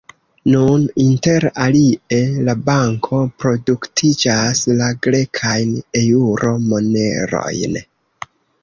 Nun, inter alie, la banko produktiĝas la grekajn eŭro-monerojn.